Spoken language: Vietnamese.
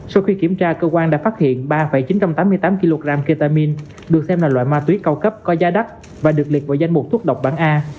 sau khi kiểm tra cơ quan đã phát hiện ba chín trăm tám mươi tám kg ketamine được xem là loại ma túy cao cấp có giá đắt và được liệt vào danh mục thuốc độc bản a